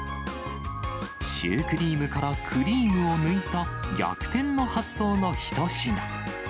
シュークリームからクリームを抜いた逆転の発想の一品。